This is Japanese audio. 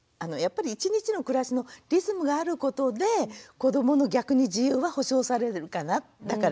やっぱり一日の暮らしのリズムがあることで子どもの逆に自由は保障されるかなって。